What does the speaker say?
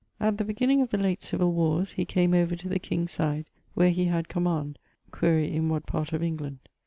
At the beginning of the late civill warres, he came over to the king's side, where he had command (quaere in what part of England).